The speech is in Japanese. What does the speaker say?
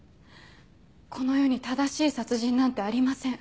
この世に正しい殺人なんてありません。